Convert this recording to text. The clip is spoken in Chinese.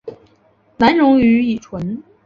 难溶于乙醇。